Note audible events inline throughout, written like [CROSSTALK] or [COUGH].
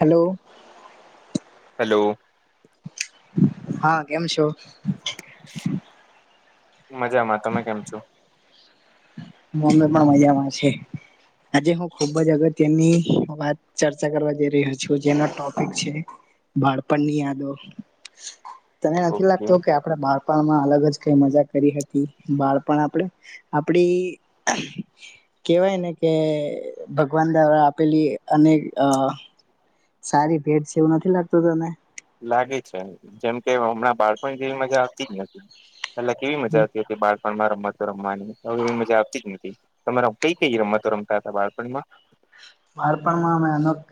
Hello. Hello હા કેમ છો મજામાં તમે કેમ છો [UNINTELLIGIBLE] પણ મજામાં છે આજે હું ખુબ જ અગત્યની વાત ચર્ચા કરવા જઈ રહ્યો છું જેનો ટોપિક છે બાળપણની યાદો તને નથી ઓકે લાગતો કે આપડે બાળપણ માં અલગ જ કઈ મજા કરી હતી બાળપણ આપણે આપડી કેવાય ને કે ભગવાન દ્વારા આપેલી અનેક સારી ભેટ છે એવું નથી લાગતું તને લાગે છે જેમ કે હમણાં બાળપણ જેવી મજા આવતી જ નથી પેલા કેવી મજા આવતી હતી બાળપણમાં રમવાતો રમવાની હવે એવી મજા આવતી જ નથી તમારા કઈ કઈ રમતો રમતા હતા બાળપણમાં બાળપણ માં અમેક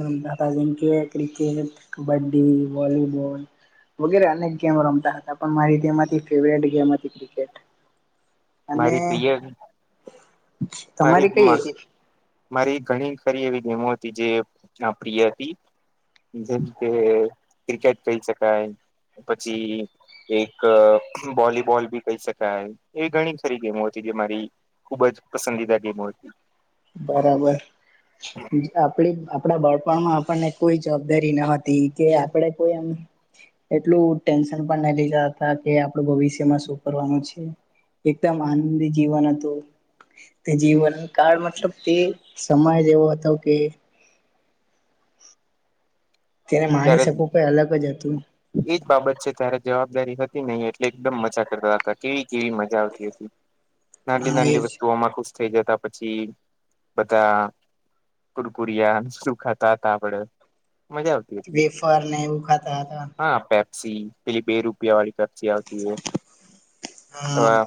રમતા હતા જેમકે ક્રિકેટ કબડ્ડી વોલીબોલ વગેરે અનેક ગેમ રમતા હતા પણ મારી તેમાંથી ફેવ ગેમ હતી ક્રિકેટ અને મારી પ્રિય મારી તમારી કઈ હતી મારી ઘણી ખરી એવી ગેમો હતી જે પ્રિય હતી જેમ કે ક્રિકેટ કહી શકાય પછી એક વોલીબોલ બી કહી શકાય એ ઘણી ખરી ગેમો હતી જે મારી ખુબ જ પસંદીદા ગેમો હતી બરાબર આપડી આપ બળપણમાં આપણને કોઈ જવાબદારી ન હતી કે આપણે કોઈ એમ એટલું ટેન આપડ ભવિષ્યમાં શ કરવાનું છે. એકદમ આનંદી જીવન હતું તે જીવન કાળ મતલબ તે સમાજ એવો હતો કે તેને માણી ત્યારે શકવું કઈ અલગ જ હતું એજ બાબત છે ત્યારે જવાબદારી હતી નહી એટલે એકદમ મજા કરતા હતા કેવી કેવી મજા આવતી હતી નાલી હા નાલી એજ વસ્તુઓમાં ખુશ થઈ જતા પછી બધા કુરકુરિયા સુું ખાતા હતા આપડે મજા આવતી હતી વેફર ને એવું ખાતા હતા છી પેલી બે રૂપિયા વાડી પેપ્સી આવતી હા આવા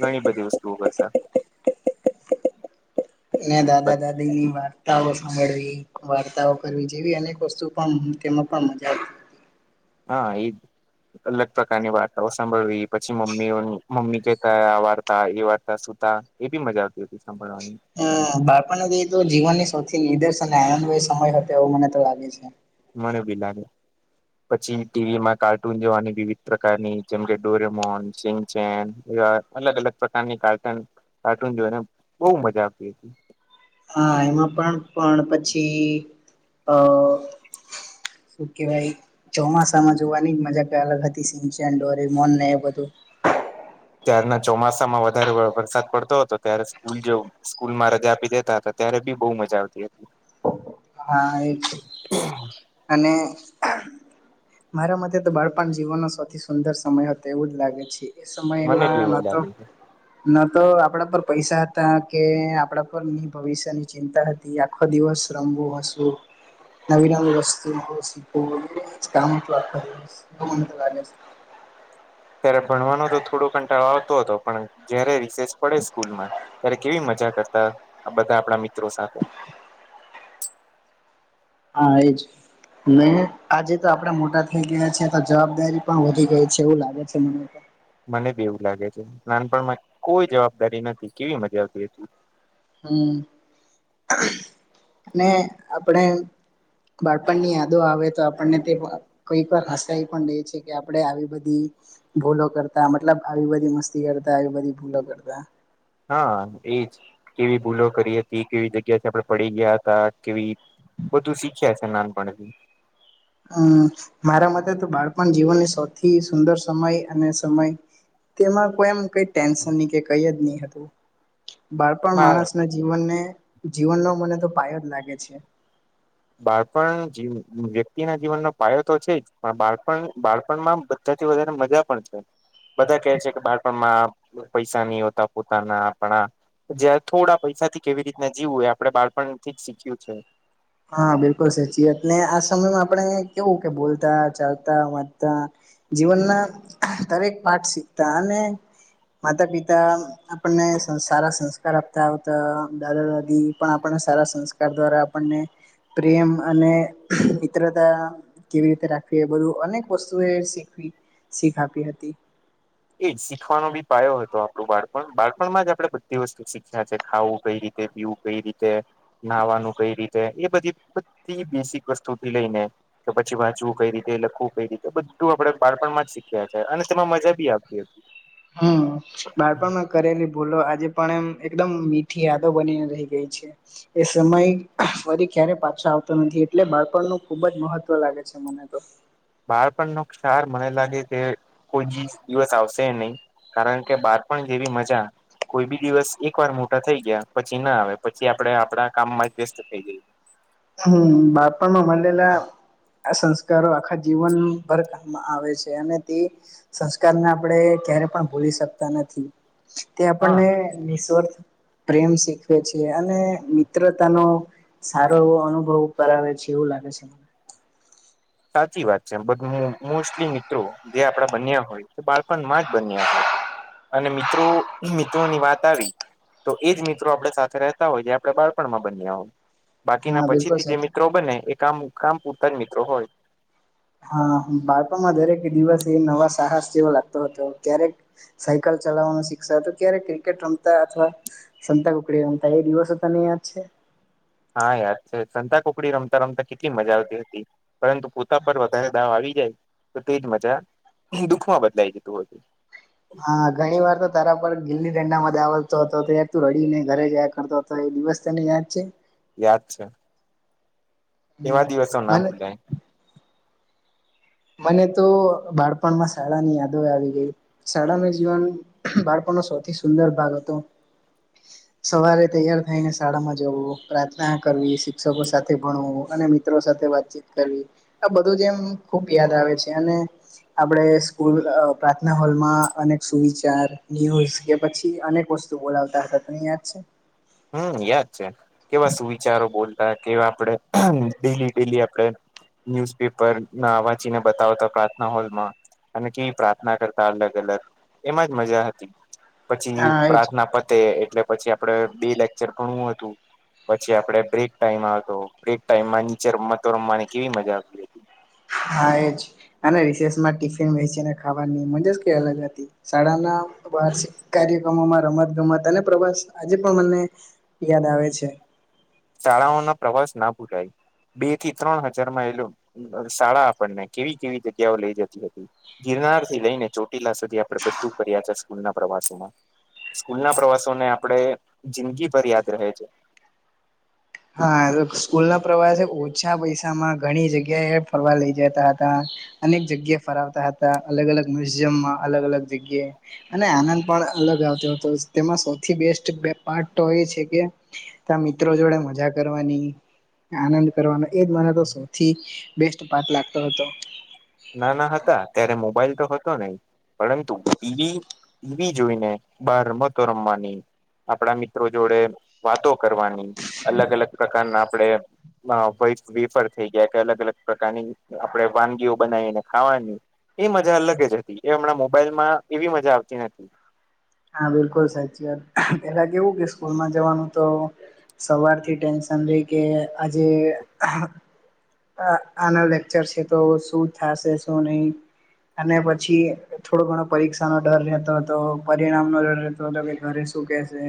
ઘણી બધી વસ્તુઓ કરતા ને દાદા દાદી ની વાર્તાઓ સાંભળવી વાર્તાઓ કરવી જેવી અનેક વસ્તુ પણ તેમાં પણ મજા આવતી હતી હા એ જ અલગ પ્રકારની વાર્તાઓ સાંભળવી પછી મમ્મીઓ મમ્મી કહેતા આ વાર્તા એ વાર્તા એ બી મજા આવતી હતી સાંભળવાની હા બાળપાનાથી તો જીવનની સૌથી નિર્દર્શ અને આનંદય સમય હતો એવો મને તો લાગે છે મને બી લાગે પછી ટીવીમાં કાર્ટૂન જોવાની વિવિધ પ્રકારની જેમકે ડોરેમોન સીનચેન અલગ અલગ પ્રકારની કાર્ટન કાર્ટૂન જોને બહુ મજા આવતી હતી હા એમાં પણ પણ પછી અ શું કેવાય ચોમાસામાં જોવાની મજા કાંઈ અલગ હતી સિનચેન ડોરેમોન ને એ બધું [INAUDIBLE] ત્યારના ચોમાસામાં વધારે વરસાદ પડતો હતો ત્યારે સ્કૂલ જે સ્કૂલમાં રજા આપી દેતા હતા ત્યારે રે બી બહુ મજા આવતી હતી હા એજ અને મારા મથે તો બાળપણ જીવનનો સૌથી સુંદર સમય હતો એવું જ લાગે છે એ મને બી સમયમાં એવું જ નતો લાગે છે ના તો આપડા પર પૈસા હતા કે આપડા પર ની ભવિષ્યની ચિંતા હતી આખો દિવસ વિશ્રમભુ હસું નવી નવી વસ્તુ શી [UNINTELLIGIBLE] [INAUDIBLE] ત્યારે ભણવાનો તો થોડો કંટાળ આવતો હતો પણ જય્યારે રિસેચ પડે સ્કૂલમાં ત્યારે કેવી મજા કરતા બધા આપણા મિત્રો સાથે હા એજ નહી આજે તો આપડાે મોટા થઇ ગયા છે તો જવાબદારી પણ વધી ગઈ છે એવું લાગે છે મને તો મને બી એવું લાગે છે નાનપણમાં કોઈ જવાબદારી નથી કેવી મજા આવતી હતી હમ અને આપણેે બાળપણ ની યાદો આવે તો આપણને તે કઈક વાર હસાવી પણ દે છે કે આપડે આવી બધી ભૂલો કરતા મતલબ આવી બધી મસ્તી કરતા આવી બધી ભૂલો કરતા હા એજ કેવી ભૂલો કરી હતી કેવી જગ્યાથી આપણે પડી ગયા હતા કેવી બધું શીખ્યા છે નાનપણથી હમ મારા મતે તો બાળપણ જીવનની સૌથી સુંદર સમય અને સમય તેમાં કોઈમ ટેન્ન નહી હતું બાળપણ માણસના જીવનને જીવનનો મને તો પાય જ લાગે છે બાળપણ વ્યક્તિ ના જીવનનો પાયો તો છે જ પણ બાળપણ બાળપણમાં બધા થી વધારે મજા પણ છે બધા કેહે છે કે બાળપણમાં પૈસા નહી હોતા પોતાના આપણા જ થોડા પૈસા થી કેવી રીતના જીવું હોય આપડણે બાળપણથી જ શીખ્યું છે હા બિલકુલ સાચી વાત ને આ સમયમાં આપણે કેવું કે બોલતા ચાલતા વાતા જીવનના દરેક પાઠ શીખતા અને માતા પિતા આપણને સારા સંસ્કાર આપતા આવતા દાદા દાદી પણ આપ સારા સંસ્કાર દ્વારા આપણને પ્રેમ અને મિત્રતા કેવી રીતે રાખવી એ બધું અનેક વસ્તુ એ શીખ આપી હતી એજ શીખવાનો બી પાયો હતો આપણું બાળપણ બાળપણમાં જ આપણે બધી વસ્તુ શીખ્યા છે ખાવું કઈ રીતે વ્યુ કઈ રીતે નાહવાનું કઈ રીતે એ બધી બધી બેસિક વસ્તુથી લઈને કે પછી વાંચવું કઈ રીતે લખવું કઈ રીતે બધું આપડે બાળપણમાં જ શીખ્યા છે અને તેમાં મજા બી આવે [INAUDIBLE] હમ બાળપણ માં કરેલી બોલો આજે પણ એમ એકદમ મીઠી યાદો બનીને રહી ગઈ છે એ સમય ફરી ક્યારે પાછો આવતો નથી એટલે બાળપણનું ખુબ જ મહત્વ લાગે છે મને તો બહાર પણ નકાર મને લાગે કે કોઈ દિવસ આવશે નહી કારણ કે બાર પણ જેવી મજા કોઈ બી દિવસ એક વાર મોટા થઈ ગયા પછી ના આવે પછી આપડે આપડા કામમાં જ વ્યસ્ત થઈ જઈએ હમ બાપણ મલલા આ સંસ્કારો આખા જીવન ભર ક આવે છે અને તે સંસ્કારને આપણે ભૂલીતા નથી તે હા આપને નિર્ પ્રેમ શીખવે છે અને મિત્રતાનો વ અનુભવ કરાવે છે એવું લાગે છે મને સાચી વાત છે બટ મોસ્ટલી મિત્રો જે આપડા બન્યા હોય તે બાળપણ માં જ બન્યા હોય અને મિત્રો મિત્રોની વાત આવી તો એજ મિત્રો આપણે સાથે રહેતા હોય જે આપણે બાળપણમાં બન્યા હોય હા બાકીના પછી બિલકુલ થી જે સાચું. મિત્રો બને એ કામ કામ પૂરતા જ મિત્રો હોય હા બાળપણમાં દરેક દિવસ એ નવા સાહસ જેવો લાગતો હતો ક્યારેક સાયકલ ચલાવવાનું શિક્ષા ત્યારે ક્રિકેટ રમતા અથવા સંતા કુકડી રમતા એ દિવસો તને યાદ છે. હા યાદ છે સંતાકુકડી રમતા-રમતા કેટલી મજા આવતી હતી પરંતુ પોતા પર વધારે દાવ આવી- તો તેજ મજા દુખમાં બદલાઈ જતું હોય છે. હા ઘણી વાર તો તારા પર ગિલ્લી દંડામાં દાવતો હતો ત્યારે તું રડી ને ઘરે જયા કરતો હતો એ દિવસ તેને યાદ છે. યાદ છે. હમ, એવા દિવસો ના મને ભૂલાય. મને તો બાળપણમાં શાળાની યાદો આવી ગઈ શાળામાં જીવન બાળપણ નો સૌથી સુંદર ભાગ હતો. સવારે તૈયાર થાયને શાળામાં જવું. પ્રાર્થના કરવી શિક્ષકો સાથે ભણવુ. અને મિત્રો સાથે વાતચીત કરવી આ બધું જ એમ ખુબ યાદ આવે છે અને આપડે સ્કૂલ પ્રાર્થના હોલમાં અનેક સુવિચાર ન્યૂઝ કે પછી અનેક વસ્ શું બોલાવતા હતા તને યાદ છે. હમ્મ યાદ છે. કેવા સુવિચારો બોલતા કેવા આપડે ડેલી ડેલી આપ આપડે ન્યુઝપેપર ના વાંચીને બતાવતા પ્રાર્થના હોલમાં. અને કય પ્રાર્થના કરતા અલગ-અલગ એમાં જ મજા હતી. પછી હા એજ પ્રાર્થના પતે એટલે પછી આપડે બે લેક્ચર ભણવું હતું. પછી આપડે બ્રેક ટાઈમ આવતો બ્રેક ટાઈમમાં નીચે રમતો રમવાની કેવી મજા આવતી હતી. હા એજ અને રીસેસમાં ટિફિન વીચીને ખાવાની મજા જ કઈ અલગ હતી શાળાના વાર્ષિક કાર્યક્રમોમાં રમત ગમત અને પ્રવાસ આજે પણ મને યાદ આવે છે. શાળાઓના પ્રવાસ ના ભૂલાાય. બે થી ત્રણ હજારમાં એલો શાળા આપણને કેવી કેવી જગ્યાઓ લઈ જતી હતી જે ગીર નાર થી લઈને ચોટીલા સુધી આપડે બધું ફર્યા છે સ્કૂલ ના પ્રવાસોમાં. સ્કૂલ ના પ્રવાસોને આપડે જિંદગીભર યાદ રહે છે. હા સ્કૂલ ના પ્રવાસે ઓછા પૈસામાં ઘણી જગ્યાએ ફરવા લઈ જતા હતા. અનેક જગ્યા ફરવાતા હતા અલગ-અલગ મ્યુઝિયમમાં અલગ-અલગ જગ્યા અને આનંદ પણ અલગ આવતો હતો તેમાં સૌથી બેસ્ટ પે પાર્ટ તો એ છે કે ત્યા મિત્રો જોડે મજા મજા કરવાની, આનંદ કરવાનો એજ મને તો સૌથી બેસ્ટ તું પાત લાગતો હતો. નાના હતા ત્યારે મોબાઈલ હતો નઇ પરંતુ ટીવી ટીવી જોઈને બાર રમતો રમવાની આપણા મિત્રો જોડે વાતો કરવાની, અલગ-અલગ પ્રકારના આપડે વિફળ થઈ ગયા કે અલગ-અલગ પ્રકારની આપણે વાનગીઓ બનાવીને ખાવાની એ મજા અલગ જ હતી એ હમણાં મોબાઈલમાં એવી મજા આવતી નતી. હા બિલકુલ સાચી વાત. પેલા કેવું કે સ્કૂલમાં જવાનું તો સવારથી ટેન્શન સન્ડે કે આજે. આ આના લેક્ચર છે તો શું થશે શું નહી. અને પછી થોડો ઘણો પરીક્ષાનો ડર રહેતો હતો પરિણામનો ડર રહેતો હતો કે ઘરે શું તું ક્યાં છે.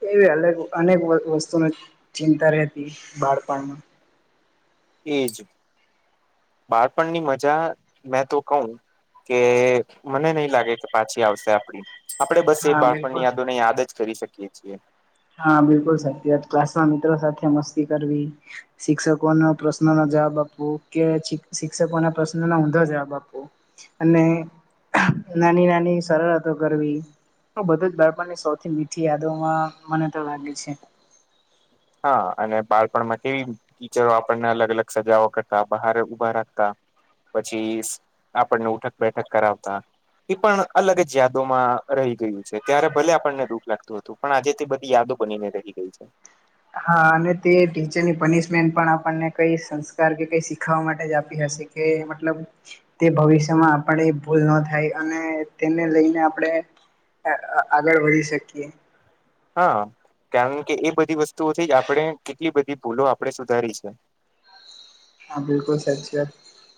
કેવી અલગ અનેક વસ્તુની ચિંતા રહેતી બાળપણમાં. એજ બાળપણની મજા મેં તો કહું કે મને નઈ લાગે કે પાછી આવશે આપડી. આપડે બસ એ હા બાળપણની બિલકુલ યાદોને યાદ જ કરી શકીએ છીએ. હા બિલકુલ સાચી વાત ક્લાસમાં મિત્રો સાથે મસ્તી કરવી શિક્ષકોના પ્રશ્નનો જવાબ આપવું કે ચી શિક્ષકોના પ્રશ્નોના ઊંધા જવાબ આપવું અને નાની-નાની શરારતો કરવી બધું જ બાળપણની સૌથી મીઠી યાદોમાં મને તો લાગે છે. હા અને બાળપણમાં કેવી ટીચરો આપણને અલગ-અલગ સજાઓ કરતા બહાર ઉભા રાખતા. પછી આપણને ઉઠક બેઠક કરાવતા. એ પણ અલગ જ યાદોમાં રહી ગયું છે ત્યારે ભલે આપણને દુઃખ લાગતું હતું પણ આજે તે બધી યાદ યાદો બનીને રહી ગઈ છે. હા અને તે ટીચરની પનિશમેન્ટ પણ આપણને કઈ સંસ્કાર કે કઈ શીખાવા માટે જ આપી હશે. કે મતલ તે ભવિષ્યમાં આપણે ભૂલ ન થાય અને તેને લઈને આપણે- આ આગળ વધી શકીએ. હા કારણ કે એ બધી વસ્તુઓથી જ આપણે એટલી બધી ભૂલો આપણેે સુધારી છે હા બિલકુલ સાચચી વાત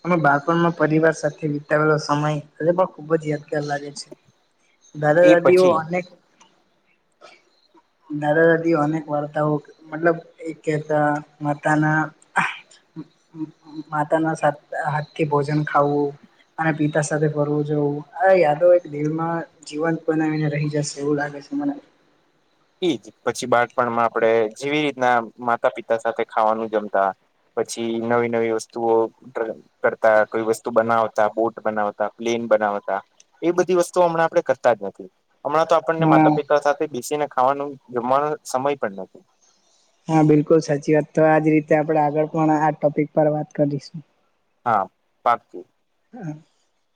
અમે બાળપણમાં પરિવાર સાથે વિતાવેલો સમય હ પણ ખુબ જ યાદ લાગે છે દાા એ દાદીઓ પછી અનેક દાદા દાદી અ અનેક વાર્તાઓ મતલબ એક મતાના માતાના હાથથી ભોજન ખાવું અને પિતા સાથે ફરવું જવું આ યાદો દિલમાં જીવંત બનાવીને રહી જશે એવું લાગે છે મન એઈજ પછી બાળપણમાં આપણેે જેવી રીતના માતા પિતા સાથે ખાવાનું જમતા પછી નવી નવી વસ્તુઓ કરતા કોઈ વસ્તુ બનાવતા બોટ બનાવતા પ્લેન બનાતા એ બધી વસ્તુ હમણાં આપે કરતા જ નથી હમણાં તો આપણને હા માતા પિતા સાથે બેસીને ખાવાનું જમવાનો સમય પણ નથી હા બિલકુલ સાચી વાત તો આજ રીતે આપણે આગળ પણ આ ટપિક પર વાત કરીશું હા વાત કરી [INAUDIBLE]